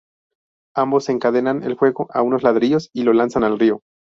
Ambos encadenan el juego a unos ladrillos y lo lanzan al río.